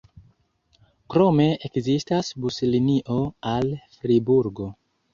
Krome ekzistas buslinio al Friburgo.